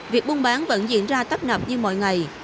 việc buôn bán vẫn diễn ra tấp nập như mọi ngày